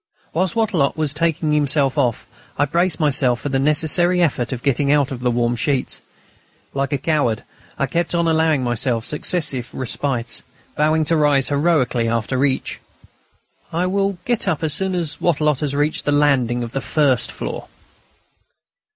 Whilst Wattrelot was taking himself off I braced myself for the necessary effort of getting out of the warm sheets. Like a coward, I kept on allowing myself successive respites, vowing to rise heroically after each. "I will get up as soon as Wattrelot has reached the landing of the first floor....